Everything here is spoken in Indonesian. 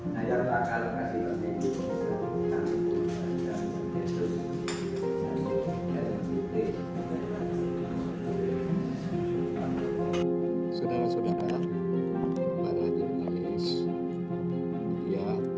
dan agar makal kasihouchedku bisaombresemi